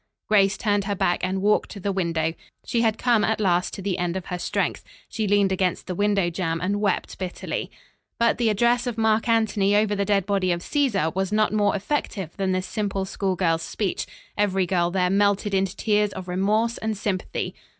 Grace turned her back and walked to the window. She had come at last to the end of her strength. She leaned against the window jamb and wept bitterly. But the address of Mark Anthony over the dead body of Cæsar was not more effective than this simple schoolgirl's speech. Every girl there melted into tears of remorse and sympathy.